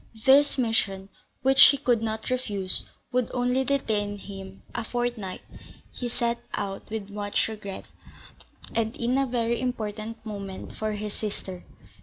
This mission, which he could not refuse, would only detain him a fortnight: he set out with much regret, and in a very important moment for his sister.